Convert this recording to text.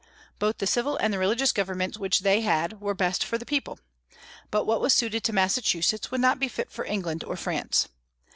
Both the civil and the religious governments which they had were the best for the people. But what was suited to Massachusetts would not be fit for England or France.